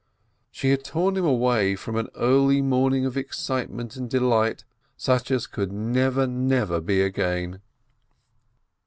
She had torn him away from an early morning of excitement and delight such as could never, never be again.